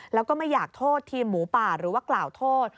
แล้วก็ไม่อยากโทษทีมหมูป่าหรือว่ากล่าวโทษ